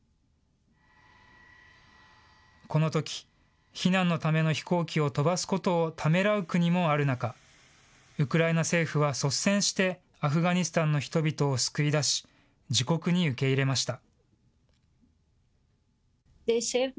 このとき、避難のための飛行機を飛ばすことをためらう国もある中、ウクライナ政府は率先してアフガニスタンの人々を救い出し、自国に受け入れました。